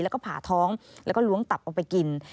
แล้วก็ผ่าท้องแล้วก็ล้วงตับออกไปกิน